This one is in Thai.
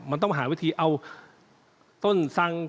มันต้องหาวิธีเอาต้นสัง